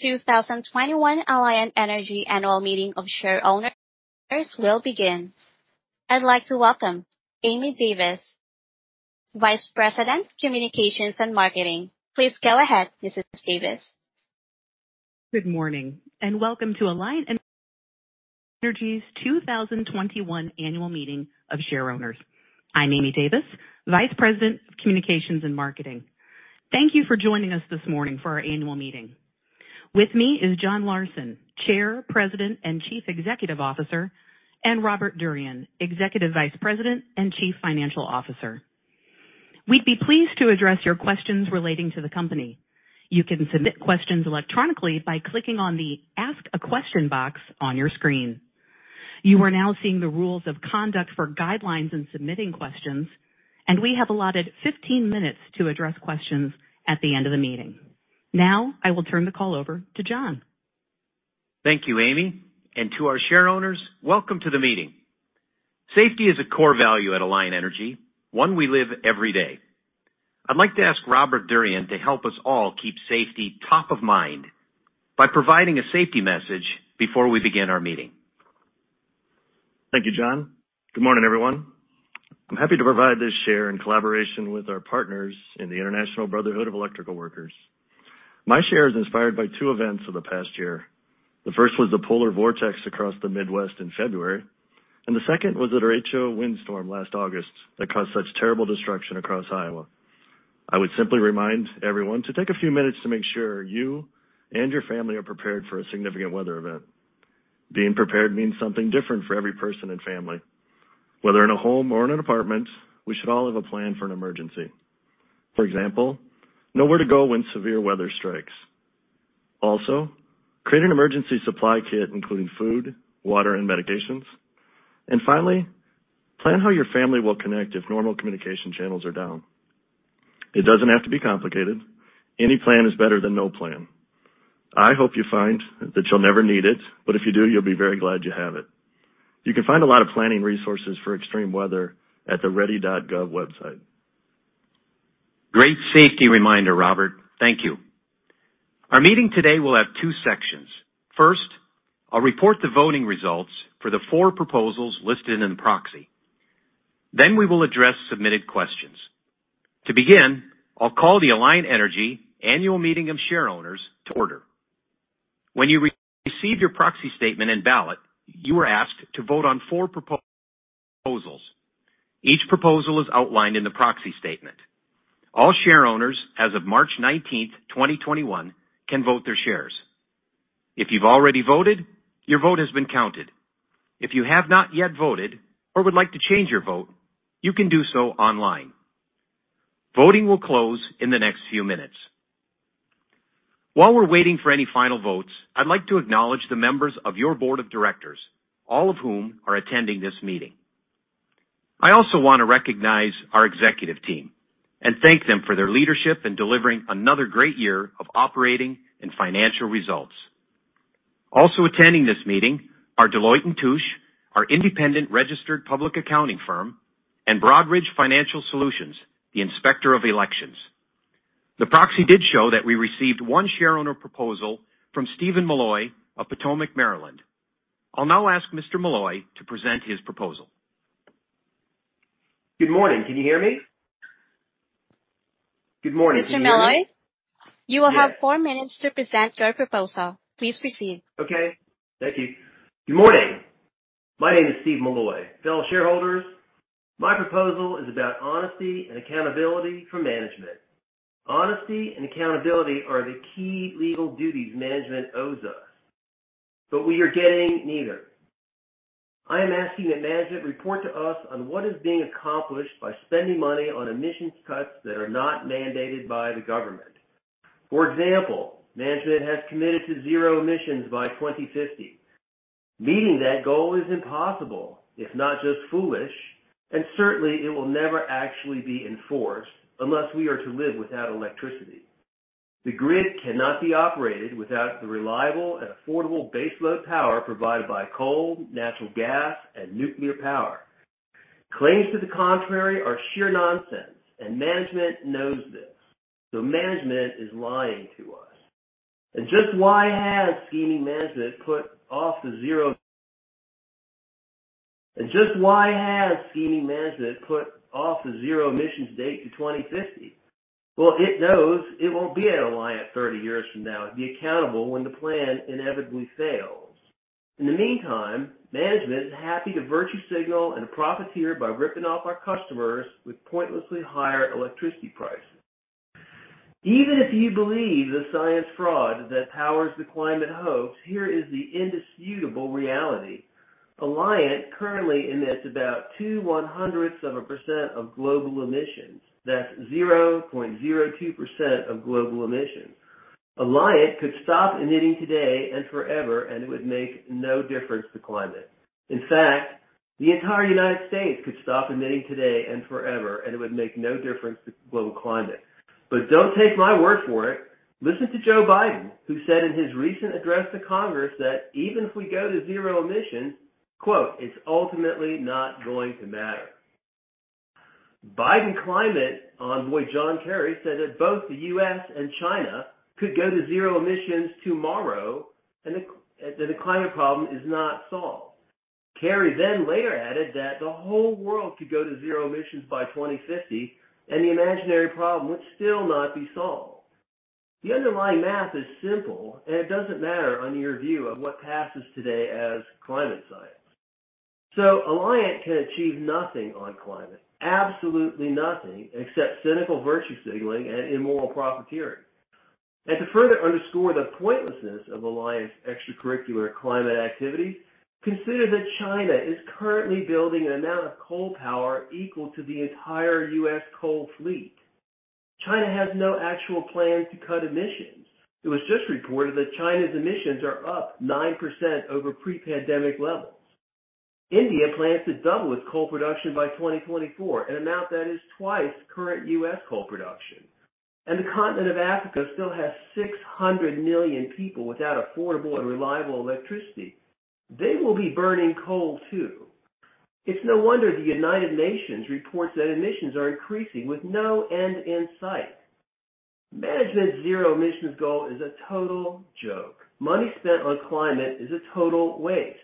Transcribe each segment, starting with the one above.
The 2021 Alliant Energy Annual Meeting of Shareowners will begin. I'd like to welcome Aimee Davis, Vice President of Communications and Marketing. Please go ahead, Mrs. Davis. Good morning, and welcome to Alliant Energy's 2021 Annual Meeting of Shareowners. I'm Aimee Davis, Vice President of Communications and Marketing. Thank you for joining us this morning for our annual meeting. With me is John Larsen, Chair, President, and Chief Executive Officer, and Robert Durian, Executive Vice President and Chief Financial Officer. We'd be pleased to address your questions relating to the company. You can submit questions electronically by clicking on the Ask a Question box on your screen. You are now seeing the rules of conduct for guidelines and submitting questions, and we have allotted 15 minutes to address questions at the end of the meeting. Now, I will turn the call over to John. Thank you, Aimee, and to our shareowners, welcome to the meeting. Safety is a core value at Alliant Energy, one we live every day. I'd like to ask Robert Durian to help us all keep safety top of mind by providing a safety message before we begin our meeting. Thank you, John. Good morning, everyone. I'm happy to provide this share in collaboration with our partners in the International Brotherhood of Electrical Workers. My share is inspired by two events of the past year. The first was the polar vortex across the Midwest in February, and the second was the derecho windstorm last August that caused such terrible destruction across Iowa. I would simply remind everyone to take a few minutes to make sure you and your family are prepared for a significant weather event. Being prepared means something different for every person and family. Whether in a home or in an apartment, we should all have a plan for an emergency. For example, know where to go when severe weather strikes. Create an emergency supply kit including food, water, and medications. Finally, plan how your family will connect if normal communication channels are down. It doesn't have to be complicated. Any plan is better than no plan. I hope you find that you'll never need it, but if you do, you'll be very glad you have it. You can find a lot of planning resources for extreme weather at the ready.gov website. Great safety reminder, Robert. Thank you. Our meeting today will have two sections. First, I'll report the voting results for the four proposals listed in the proxy. Then, we will address submitted questions. To begin, I'll call the Alliant Energy Annual Meeting of Shareowners to order. When you received your proxy statement and ballot, you were asked to vote on four proposals. Each proposal is outlined in the proxy statement. All shareowners as of March 19, 2021, can vote their shares. If you've already voted, your vote has been counted. If you have not yet voted or would like to change your vote, you can do so online. Voting will close in the next few minutes. While we're waiting for any final votes, I'd like to acknowledge the members of your board of directors, all of whom are attending this meeting. I also want to recognize our executive team and thank them for their leadership in delivering another great year of operating and financial results. Also attending this meeting are Deloitte & Touche, our independent registered public accounting firm, and Broadridge Financial Solutions, the inspector of elections. The proxy did show that we received one shareowner proposal from Steven Milloy of Potomac, Maryland. I'll now ask Mr. Milloy to present his proposal. Good morning. Can you hear me? Good morning. Can you hear me? Mr. Milloy, you will have four minutes to present your proposal. Please proceed. Okay. Thank you. Good morning. My name is Steven Milloy. Fellow shareholders, my proposal is about honesty and accountability from management. Honesty and accountability are the key legal duties management owes us, but we are getting neither. I am asking that management report to us on what is being accomplished by spending money on emissions cuts that are not mandated by the government. For example, management has committed to zero emissions by 2050, meaning that goal is impossible, if not just foolish, and certainly it will never actually be enforced unless we are to live without electricity. The grid cannot be operated without the reliable and affordable baseload power provided by coal, natural gas, and nuclear power. Claims to the contrary are sheer nonsense, and management knows this. Management is lying to us. Just why has scheming management put off the zero emissions date to 2050? Well, it knows it won't be at Alliant 30 years from now to be accountable when the plan inevitably fails. In the meantime, management is happy to virtue signal and profiteer by ripping off our customers with pointlessly higher electricity prices. Even if you believe the science fraud that powers the climate hoax, here is the indisputable reality. Alliant currently emits about 0.02% of global emissions. That's 0.02% of global emissions. Alliant could stop emitting today and forever, and it would make no difference to climate. In fact, the entire U.S. could stop emitting today and forever, and it would make no difference to global climate. Don't take my word for it. Listen to Joe Biden, who said in his recent address to Congress that even if we go to zero emissions, quote, "It's ultimately not going to matter." Biden climate envoy, John Kerry, said that both the U.S. and China could go to zero emissions tomorrow, and the climate problem is not solved. Kerry then later added that the whole world could go to zero emissions by 2050, and the imaginary problem would still not be solved. The underlying math is simple, and it doesn't matter on your view of what passes today as climate science. So, Alliant can achieve nothing on climate, absolutely nothing except cynical virtue signaling and immoral profiteering. To further underscore the pointlessness of Alliant's extracurricular climate activity, consider that China is currently building an amount of coal power equal to the entire U.S. coal fleet. China has no actual plans to cut emissions. It was just reported that China's emissions are up 9% over pre-pandemic levels. India plans to double its coal production by 2024, an amount that is twice current U.S. coal production. The continent of Africa still has 600 million people without affordable and reliable electricity. They will be burning coal, too. It's no wonder the United Nations reports that emissions are increasing with no end in sight. Management's zero emissions goal is a total joke. Money spent on climate is a total waste.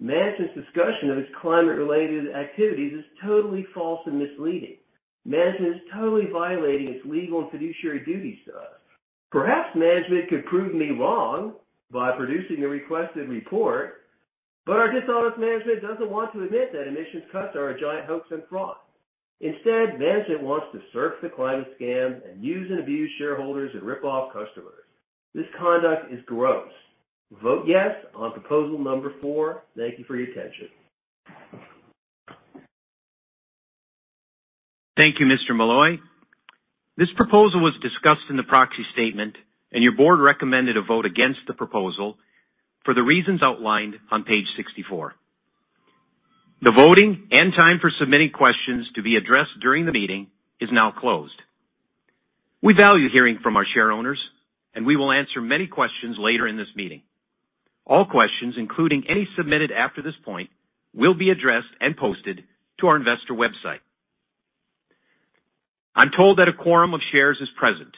Management's discussion of its climate-related activities is totally false and misleading. Management is totally violating its legal and fiduciary duties to us. Perhaps management could prove me wrong by producing a requested report. Our dishonest management doesn't want to admit that emissions cuts are a giant hoax and fraud. Instead, management wants to surf the climate scam and use and abuse shareholders and rip off customers. This conduct is gross. Vote yes on proposal number four. Thank you for your attention. Thank you, Mr. Milloy. This proposal was discussed in the proxy statement, and your board recommended a vote against the proposal for the reasons outlined on page 64. The voting and time for submitting questions to be addressed during the meeting is now closed. We value hearing from our shareowners, and we will answer many questions later in this meeting. All questions, including any submitted after this point, will be addressed and posted to our investor website. I'm told that a quorum of shares is present.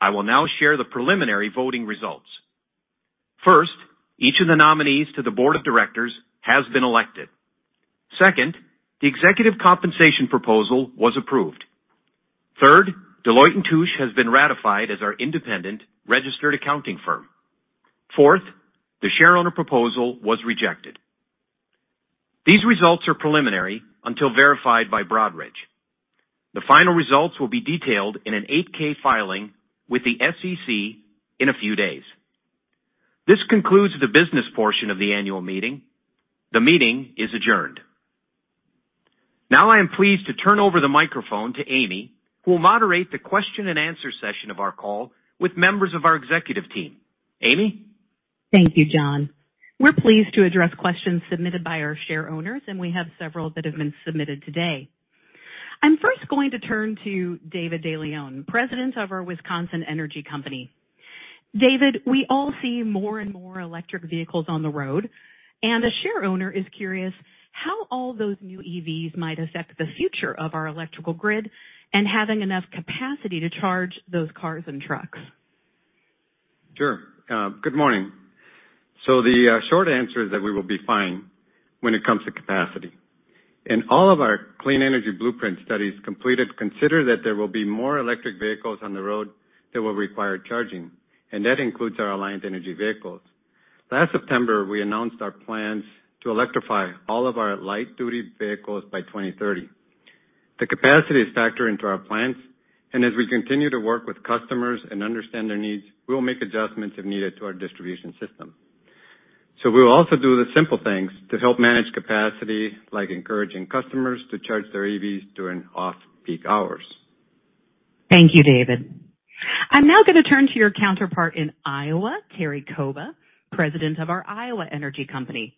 I will now share the preliminary voting results. First, each of the nominees to the board of directors has been elected. Second, the executive compensation proposal was approved. Third, Deloitte & Touche has been ratified as our independent registered accounting firm. Fourth, the shareowner proposal was rejected. These results are preliminary until verified by Broadridge. The final results will be detailed in an 8-K filing with the SEC in a few days. This concludes the business portion of the annual meeting. The meeting is adjourned. Now, I am pleased to turn over the microphone to Aimee, who will moderate the question and answer session of our call with members of our executive team. Aimee. Thank you, John. We're pleased to address questions submitted by our shareowners, and we have several that have been submitted today. I'm first going to turn to David de Leon, President of our Wisconsin energy company. David, we all see more and more electric vehicles on the road, and a shareowner is curious how all those new EVs might affect the future of our electrical grid and having enough capacity to charge those cars and trucks. Sure. Good morning. So, the short answer is that we will be fine when it comes to capacity. In all of our Clean Energy Blueprint studies completed, consider that there will be more electric vehicles on the road that will require charging, and that includes our Alliant Energy vehicles. Last September, we announced our plans to electrify all of our light-duty vehicles by 2030. The capacity is factored into our plans, and as we continue to work with customers and understand their needs, we'll make adjustments if needed to our distribution system. We'll also do the simple things to help manage capacity, like encouraging customers to charge their EVs during off-peak hours. Thank you, David. I'm now going to turn to your counterpart in Iowa, Terry Kouba, President of our Iowa energy company.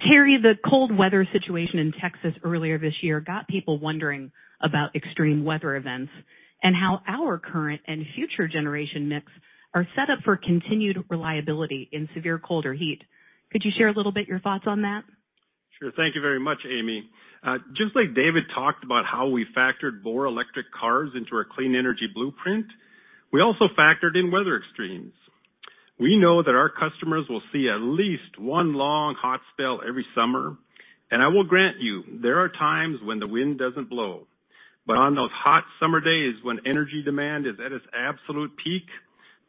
Terry, the cold weather situation in Texas earlier this year got people wondering about extreme weather events and how our current and future generation mix are set up for continued reliability in severe cold or heat. Could you share a little bit your thoughts on that? Sure. Thank you very much, Aimee. Just like David talked about how we factored more electric cars into our Clean Energy Blueprint, we also factored in weather extremes. We know that our customers will see at least one long hot spell every summer. I will grant you, there are times when the wind doesn't blow. On those hot summer days when energy demand is at its absolute peak,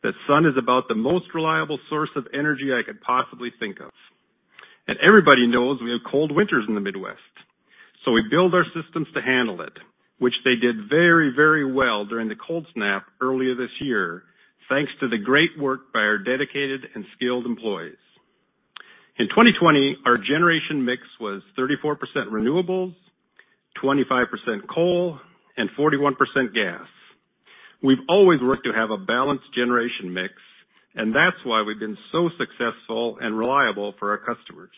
the sun is about the most reliable source of energy I could possibly think of. Everybody knows we have cold winters in the Midwest, so we build our systems to handle it, which they did very, very well during the cold snap earlier this year, thanks to the great work by our dedicated and skilled employees. In 2020, our generation mix was 34% renewables, 25% coal, and 41% gas. We've always worked to have a balanced generation mix, and that's why we've been so successful and reliable for our customers.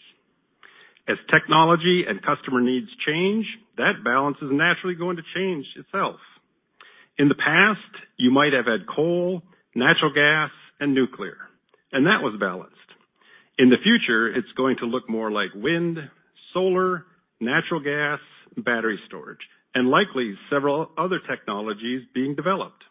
As technology and customer needs change, that balance is naturally going to change itself. In the past, you might have had coal, natural gas, and nuclear, and that was balanced. In the future, it's going to look more like wind, solar, natural gas, battery storage, and likely several other technologies being developed.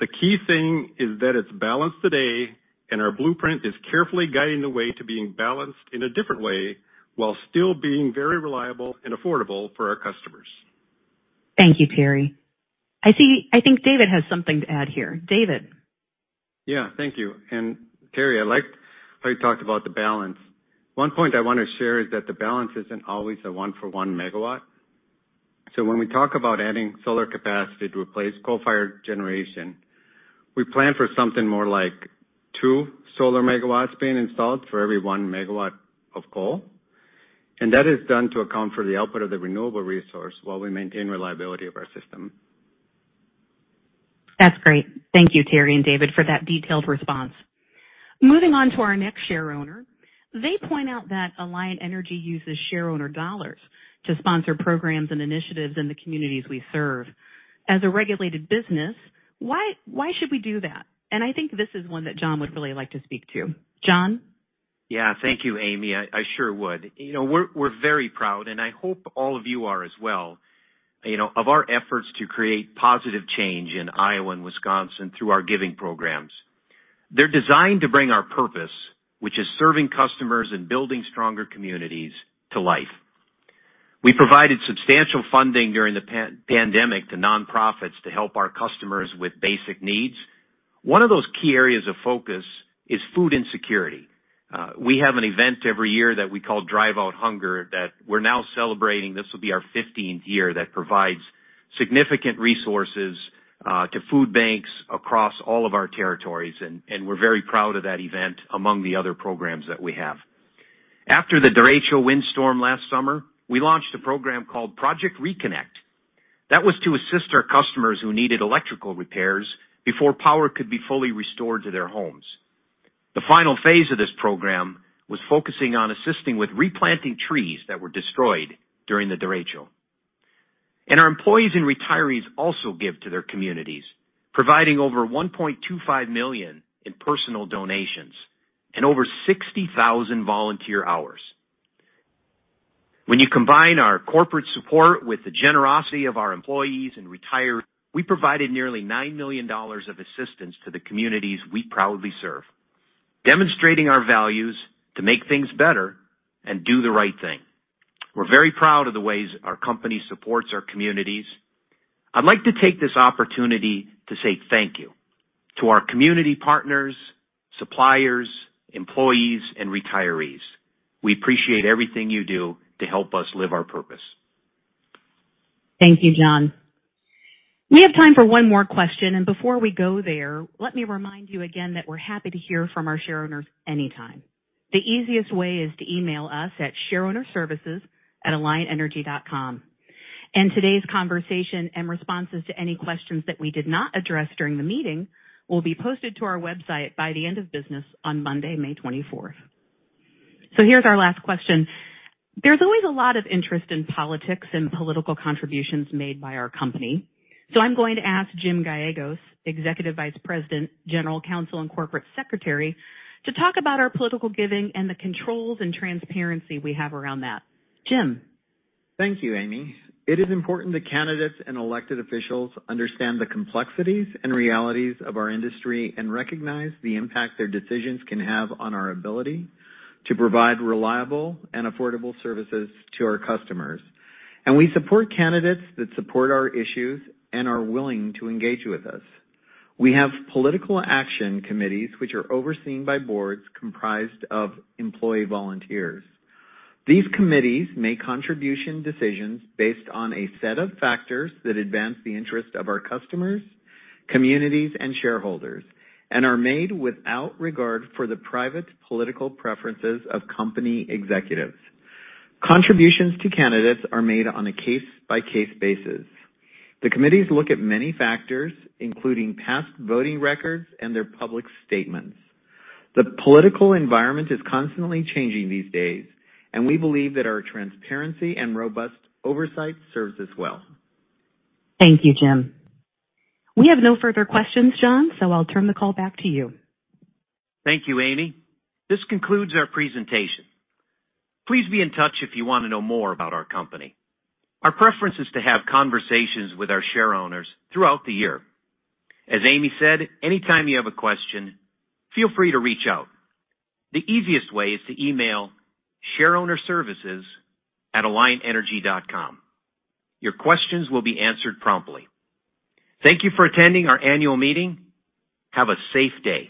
The key thing is that it's balanced today, and our Blueprint is carefully guiding the way to being balanced in a different way while still being very reliable and affordable for our customers. Thank you, Terry. I think David has something to add here. David? Yeah, thank you. Terry, I liked how you talked about the balance. One point I want to share is that the balance isn't always a one for 1 MW. When we talk about adding solar capacity to replace coal-fired generation, we plan for something more like 2 solar MW being installed for every 1 MW of coal, and that is done to account for the output of the renewable resource while we maintain reliability of our system. That's great. Thank you, Terry and David, for that detailed response. Moving on to our next shareowner. They point out that Alliant Energy uses shareowner dollars to sponsor programs and initiatives in the communities we serve. As a regulated business, why should we do that? I think this is one that John would really like to speak to. John? Thank you, Aimee. I sure would. We're very proud, and I hope all of you are as well, of our efforts to create positive change in Iowa and Wisconsin through our giving programs. They're designed to bring our purpose, which is serving customers and building stronger communities, to life. We provided substantial funding during the pandemic to nonprofits to help our customers with basic needs. One of those key areas of focus is food insecurity. We have an event every year that we call Drive Out Hunger that we're now celebrating. This will be our 15th year that provides significant resources to food banks across all of our territories, and we're very proud of that event, among the other programs that we have. After the derecho windstorm last summer, we launched a program called Project ReConnect. That was to assist our customers who needed electrical repairs before power could be fully restored to their homes. The final phase of this program was focusing on assisting with replanting trees that were destroyed during the derecho. Our employees and retirees also give to their communities, providing over $1.25 million in personal donations and over 60,000 volunteer hours. When you combine our corporate support with the generosity of our employees and retirees, we provided nearly $9 million of assistance to the communities we proudly serve, demonstrating our values to make things better and do the right thing. We're very proud of the ways our company supports our communities. I'd like to take this opportunity to say thank you to our community partners, suppliers, employees, and retirees. We appreciate everything you do to help us live our purpose. Thank you, John. We have time for one more question. Before we go there, let me remind you again that we're happy to hear from our shareowners anytime. The easiest way is to email us at shareownerservices@alliantenergy.com. Today's conversation and responses to any questions that we did not address during the meeting will be posted to our website by the end of business on Monday, May 24th. So, here's our last question. There's always a lot of interest in politics and political contributions made by our company. I'm going to ask Jim Gallegos, Executive Vice President, General Counsel, and Corporate Secretary, to talk about our political giving and the controls and transparency we have around that. Jim? Thank you, Aimee. It is important that candidates and elected officials understand the complexities and realities of our industry and recognize the impact their decisions can have on our ability to provide reliable and affordable services to our customers. We support candidates that support our issues and are willing to engage with us. We have political action committees which are overseen by boards comprised of employee volunteers. These committees make contribution decisions based on a set of factors that advance the interest of our customers, communities, and shareholders and are made without regard for the private political preferences of company executives. Contributions to candidates are made on a case-by-case basis. The committees look at many factors, including past voting records and their public statements. The political environment is constantly changing these days, and we believe that our transparency and robust oversight serves us well. Thank you, Jim. We have no further questions, John, so I'll turn the call back to you. Thank you, Aimee. This concludes our presentation. Please be in touch if you want to know more about our company. Our preference is to have conversations with our shareowners throughout the year. As Aimee said, anytime you have a question, feel free to reach out. The easiest way is to email shareownerservices@alliantenergy.com. Your questions will be answered promptly. Thank you for attending our annual meeting. Have a safe day.